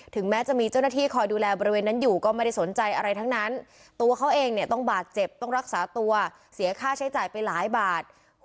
แม้จะมีเจ้าหน้าที่คอยดูแลบริเวณนั้นอยู่ก็ไม่ได้สนใจอะไรทั้งนั้นตัวเขาเองเนี่ยต้องบาดเจ็บต้องรักษาตัวเสียค่าใช้จ่ายไปหลายบาท